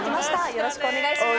よろしくお願いします。